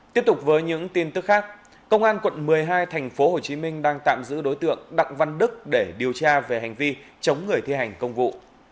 tiếp tục với những tin tức khác công an quận một mươi hai tp hcm đang tạm giữ đối tượng đặng văn đức để điều tra về hành vi chống người thi hành công vụ